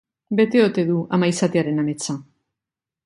Bete ote du ama izatearen ametsa?